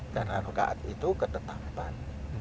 karena rakaat itu ketetapan